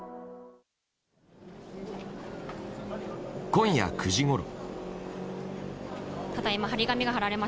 今夜９時ごろ。